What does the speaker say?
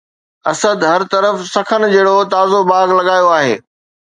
اسد هر طرف سخن جهڙو تازو باغ لڳايو آهي